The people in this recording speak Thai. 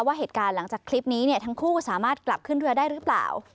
ว่าเหตุการณ์หลังจากคลิปนี้เนี่ยทั้งคู่สามารถกลับขึ้นเรือได้หรือเปล่า